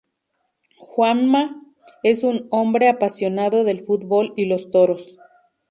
Juanma es un hombre apasionado del fútbol y los toros.